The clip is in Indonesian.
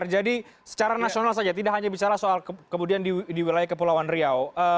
jadi secara nasional saja tidak hanya bicara soal kemudian di wilayah kepulauan riau